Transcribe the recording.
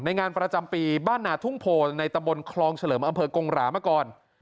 งานประจำปีบ้านนาทุ่งโพในตะบนคลองเฉลิมอำเภอกงหรามาก่อน